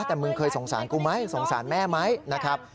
แต่มึงเคยสงสารกูไหมสงสารแม่ไหมนะครับ